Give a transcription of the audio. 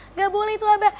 nggak boleh tuh abah